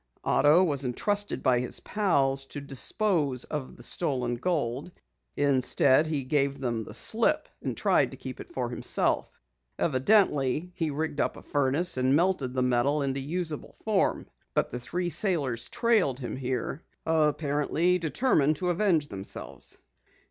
"Otto was entrusted by his pals to dispose of the stolen gold. Instead, he gave them the slip and tried to keep it for himself. Evidently he rigged up a furnace and melted the metal into useable form. But the three sailors trailed him here, determined to avenge themselves."